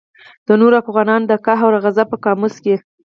د نورو افغانانو د قهر او غضب په قاموس کې.